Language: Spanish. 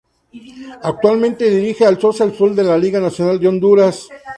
Actualmente dirige al Social Sol de la Liga Nacional de Honduras.